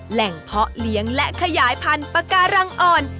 เพาะเลี้ยงและขยายพันธุ์ปาการังอ่อน